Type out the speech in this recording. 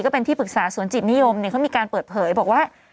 เป็นที่ปรึกษาสวนจิตนิยมเขามีการเปิดเผยบอกว่า